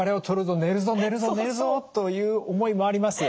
寝るぞ寝るぞ寝るぞ」という思いもあります。